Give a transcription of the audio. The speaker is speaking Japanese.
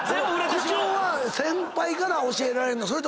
口調は先輩から教えられるの？